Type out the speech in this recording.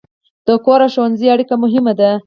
د کور او ښوونځي اړیکه مهمه ده.